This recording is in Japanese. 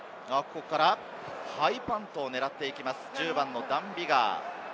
ハイパントを狙っていきます、１０番ダン・ビガー。